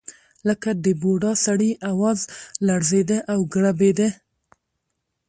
لکه د بوډا سړي اواز لړزېده او ګړبېده.